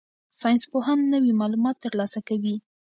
ساینسپوهان نوي معلومات ترلاسه کوي.